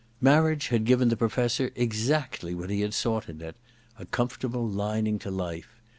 Marriage had given the Professor exactly what he had sought in it : a comfortable lining to life.